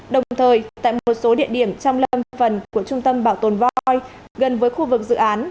đồng thời tại một số địa điểm trong lâm phần của trung tâm bảo tồn voi gần với khu vực dự án